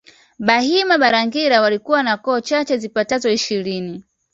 Bahima Balangira walikuwa na koo chache zipatazo ishirini